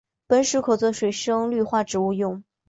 本属可做水生绿化植物用。